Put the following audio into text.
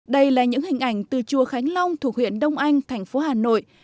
đây là những hình ảnh từ chùa khánh long thuộc huyện đông anh thành phố hà nội